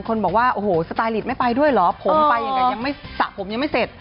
คนบอกว่าโอ้โหสไตลิตไม่ไปด้วยเหรอผมไปยังไงยังไม่สระผมยังไม่เสร็จ